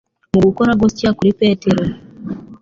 Mu gukora gutya kuri Petero,